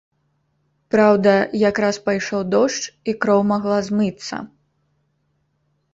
Праўда, якраз пайшоў дождж, і кроў магла змыцца.